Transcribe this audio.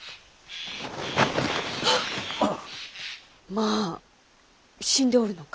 まあ死んでおるのか？